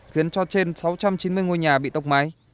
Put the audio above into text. khiến cho trên sáu trăm chín mươi ngôi nhà bị tốc mái